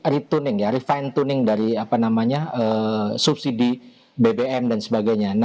retuning ya refine tuning dari apa namanya subsidi bbm dan sebagainya